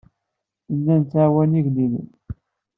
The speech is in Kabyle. Nella nettɛawan igellilen.